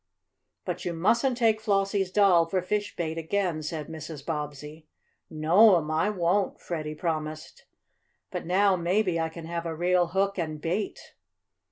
"But you mustn't take Flossie's doll for fish bait again," said Mrs. Bobbsey. "No'm, I won't!" Freddie promised. "But now maybe I can have a real hook and bait."